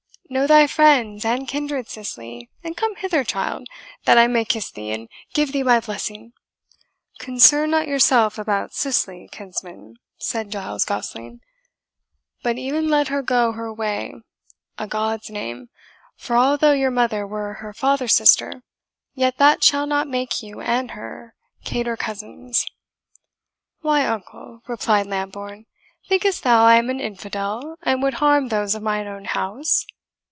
Know thy friends and kindred, Cicely, and come hither, child, that I may kiss thee, and give thee my blessing." "Concern not yourself about Cicely, kinsman," said Giles Gosling, "but e'en let her go her way, a' God's name; for although your mother were her father's sister, yet that shall not make you and her cater cousins." "Why, uncle," replied Lambourne, "think'st thou I am an infidel, and would harm those of mine own house?"